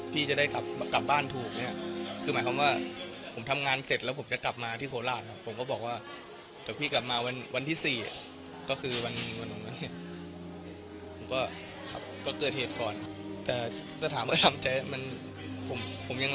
พี่จะได้กลับบ้านถูกเนี่ย